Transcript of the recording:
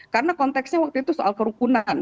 karena konteksnya waktu itu soal kerukunan